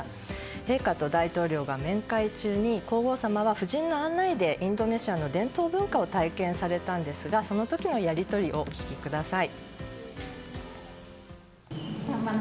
陛下と大統領が面会中に皇后さまは夫人の案内でインドネシアの伝統文化を体験されたんですが、その時のやり取りをお聞きください。